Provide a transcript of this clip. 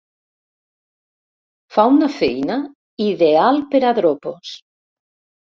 Fa una feina ideal per a dropos.